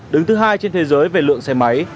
đứng thứ hai trên thế giới về lượng xe máy